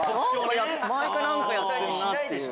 毎回何かやってんなっていう。